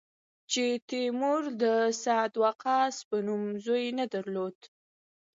چې تیمور د سعد وقاص په نوم زوی نه درلود.